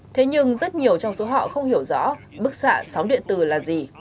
thế nhưng rất nhiều trong số họ không hiểu rõ bức xạ sóng điện tử là gì